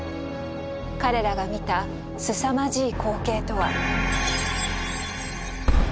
彼らが見たすさまじい光景とは。